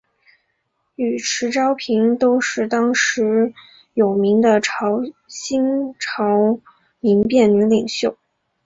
与迟昭平都是当时有名的新朝民变女领袖。